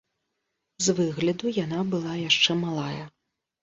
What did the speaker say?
З выгляду яна была яшчэ малая.